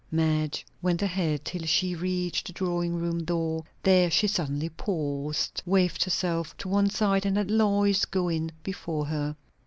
Madge went ahead till she reached the drawing room door; there she suddenly paused, waved herself to one side, and let Lois go in before her.